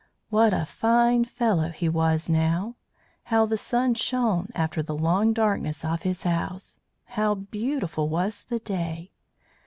What a fine fellow he was now! How the sun shone, after the long darkness of his house! How beautiful was the day!